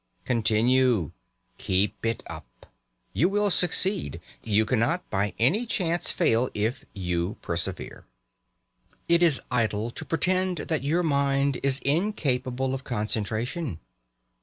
Continue. Keep it up. You will succeed. You cannot by any chance fail if you persevere. It is idle to pretend that your mind is incapable of concentration.